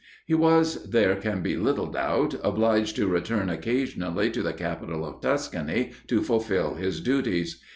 He was, there can be little doubt, obliged to return occasionally to the capital of Tuscany to fulfil his duties.